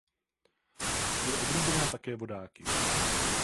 Je oblíbená také vodáky.